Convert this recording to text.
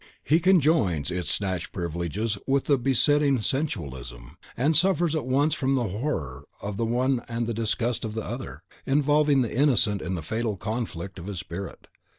He conjoins its snatched privileges with a besetting sensualism, and suffers at once from the horror of the one and the disgust of the other, involving the innocent in the fatal conflict of his spirit.